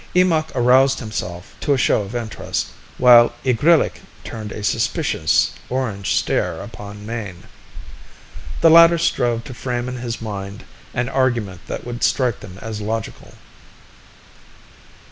Eemakh aroused himself to a show of interest, while Igrillik turned a suspicious orange stare upon Mayne. The latter strove to frame in his mind an argument that would strike them as logical.